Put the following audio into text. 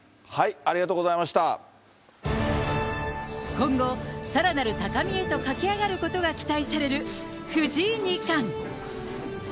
今後、さらなる高みへと駆け上がることが期待される藤井二冠。